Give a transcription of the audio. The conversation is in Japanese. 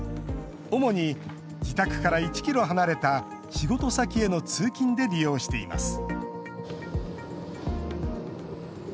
主に自宅から１ｋｍ離れた仕事先への通勤で利用しています。